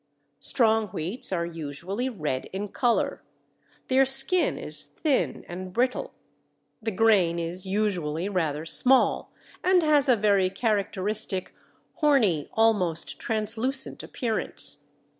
Strong wheats are usually red in colour, their skin is thin and brittle, the grain is usually rather small, and has a very characteristic horny almost translucent appearance.